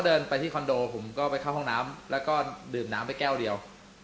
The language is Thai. เดินไปที่คอนโดผมก็ไปเข้าห้องน้ำแล้วก็ดื่มน้ำไปแก้วเดียว